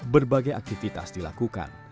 berbagai aktivitas dilakukan